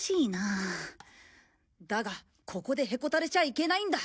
だがここでへこたれちゃいけないんだ。